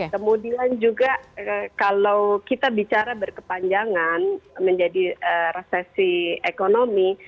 kemudian juga kalau kita bicara berkepanjangan menjadi resesi ekonomi